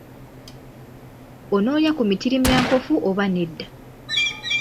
Onoolya ku mitirimyankofu oba nedda?